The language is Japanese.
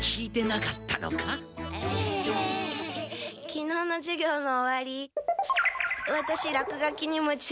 昨日の授業の終わりワタシ落書きに夢中になってて。